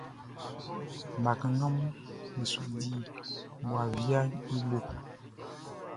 Bakannganʼm be su di ngowa viaʼn i bo.